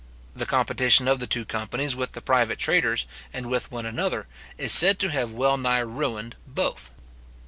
The competition of the two companies with the private traders, and with one another, is said to have well nigh ruined both.